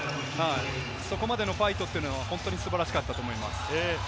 そこまでのファイトは本当に素晴らしかったと思います。